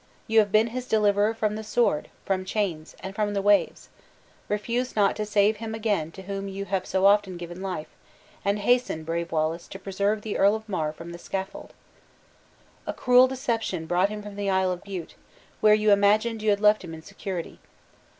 You have been his deliverer from the sword, from chains, and from the waves. Refuse not to save him again to whom you have so often given life, and hasten, brave Wallace, to preserve the Earl of Mar from the scaffold. "A cruel deception brought him from the Isle of Bute, where you imagined you had left him in security.